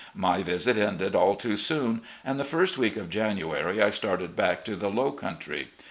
My visit ended all too soon, and the first week of January I started back to the "low country."